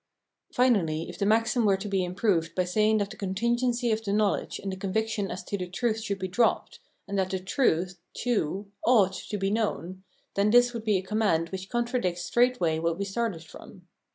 Finally, if the maxim were to be improved by saying that the contingency of the knowledge and the conviction as to the truth should be dropped, and that the truth, too, " ought " to be known, then this would be a command which con tradicts straightway what we started from.